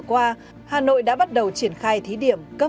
út tính bốn trăm sáu mươi chín tỷ đồng